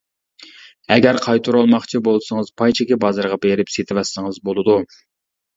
ئەگەر قايتۇرۇۋالماقچى بولسىڭىز پاي چېكى بازىرىغا بېرىپ سېتىۋەتسىڭىز بولىدۇ.